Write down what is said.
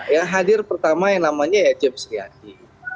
yang hadir pertama yang namanya ya james riyadi